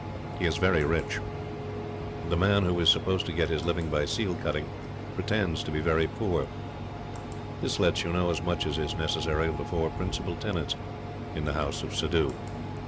He is very rich. The man who is supposed to get his living by seal cutting pretends to be very poor. This lets you know as much as is necessary of the four principal tenants in the house of Suddhoo.